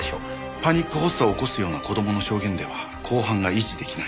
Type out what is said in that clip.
パニック発作を起こすような子供の証言では公判が維持出来ない。